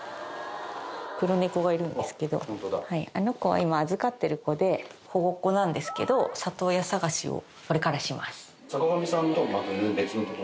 あの子は今預かっている子で保護っ子なんですけど里親探しをこれからします。